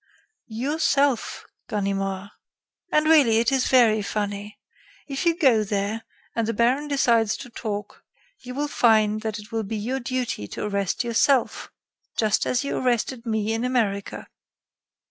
"Yourself, Ganimard. And, really, it is very funny. If you go there, and the baron decides to talk, you will find that it will be your duty to arrest yourself, just as you arrested me in America.